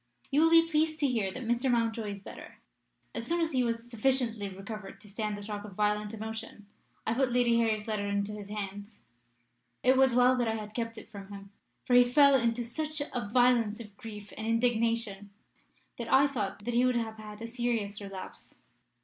You will be pleased to hear that Mr. Mountjoy is better. As soon as he was sufficiently recovered to stand the shock of violent emotion, I put Lady Harry's letter into his hands. It was well that I had kept it from him, for he fell into such a violence of grief and indignation that I thought he would have had a serious relapse.